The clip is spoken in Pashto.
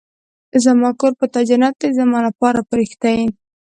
زما کور په تا جنت دی ، زما لپاره فرښته ېې